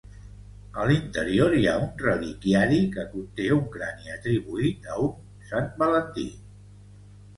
A l'interior hi ha un reliquiari que conté un crani atribuït a un sant Valentí.